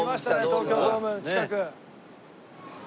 東京ドームの近く。